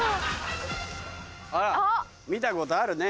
あら見たことあるね。